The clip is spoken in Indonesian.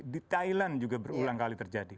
di thailand juga berulang kali terjadi